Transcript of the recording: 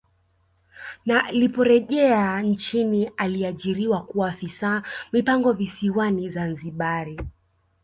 Na liporejea nchini aliajiriwa kuwa afisa mipango visiwani Zanzibari